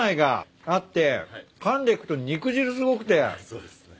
そうですね。